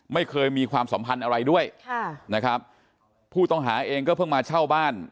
ไม่เคยมีความสัมพันธ์อะไรด้วยค่ะนะครับผู้ต้องหาเองก็เพิ่งมาเช่าบ้าน